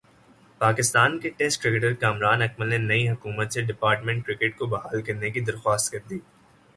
پاکستان کے ٹیسٹ کرکٹرکامران اکمل نے نئی حکومت سے ڈپارٹمنٹ کرکٹ کو بحال کرنے کی درخواست کردی۔